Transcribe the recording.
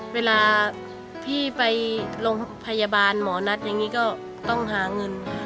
เวลาพี่ไปโรงพยาบาลหมอนัดอย่างนี้ก็ต้องหาเงิน